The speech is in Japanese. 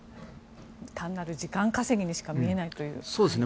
単なる時間稼ぎにしか見えないという。